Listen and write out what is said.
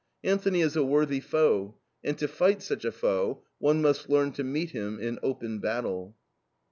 Anthony is a worthy foe; and to fight such a foe, one must learn to meet him in open battle.